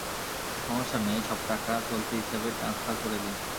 সমস্যা নেই, সব টাকা চলতি হিসাবে ট্রান্সফার করে দিন।